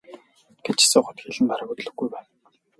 гэж асуухад хэл нь бараг хөдлөхгүй байв.